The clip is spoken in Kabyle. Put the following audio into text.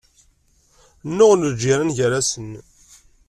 Nnuɣen lǧiran gar-asen.